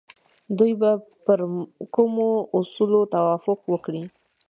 دوی به پر کومو اصولو توافق وکړي؟